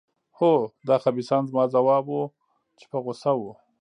هو، دا خبیثان. زما ځواب و، چې په غوسه وو.